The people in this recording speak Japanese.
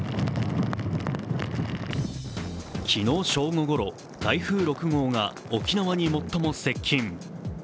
昨日正午ごろ、台風６号が沖縄に最も接近。